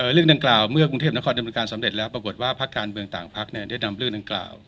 เรื่องดังกล่าวเมื่อกรุงเทพนครดำเนินการสำเร็จแล้วปรากฏว่าภาคการเมืองต่างพักได้นำเรื่องดังกล่าว